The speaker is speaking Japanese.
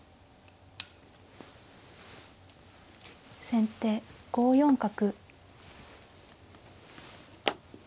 先手５四角。